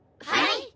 はい。